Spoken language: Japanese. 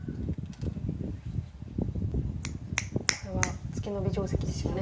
これはツケノビ定石ですよね。